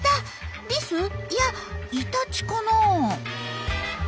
いやイタチかな？